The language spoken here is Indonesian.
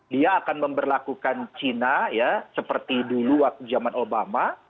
dia akan memperlakukan cina ya seperti dulu waktu zaman obama